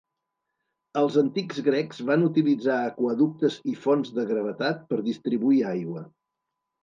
Els antics grecs van utilitzar aqüeductes i fonts de gravetat per distribuir aigua.